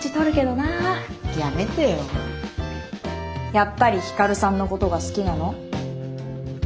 やっぱり光さんのことが好きなの？